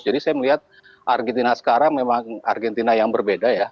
jadi saya melihat argentina sekarang memang argentina yang berbeda ya